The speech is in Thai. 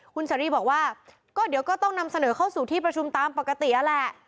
คุณเสรีบอกว่าก็เดี๋ยวก็ต้องนำเสนอเข้าสู่ที่ประชุมตามปกตินั่นแหละ